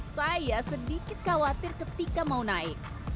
saya sedikit khawatir ketika mau naik